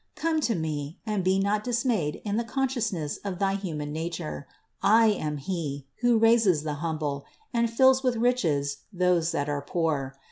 Come to Me, and be not dismayed in the consciousness of thy human nature; I am He, that raises the humble, and fills with riches those that are poor.